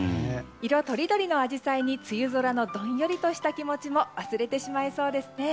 色とりどりのアジサイに梅雨空のどんよりとした気持ちも忘れてしまいそうですね。